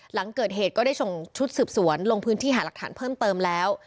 หลังเกิดเหตุก็ได้ส่งชุดสืบสวนลงพื้นที่หาหลักฐานเพิ่มเติมแล้ว